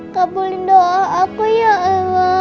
kabulin doa aku ya allah